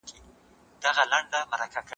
که باور له منبره ولاړ شي، تاوان لوی دی.